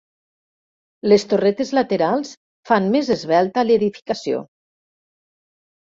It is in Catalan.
Les torretes laterals fan més esvelta l'edificació.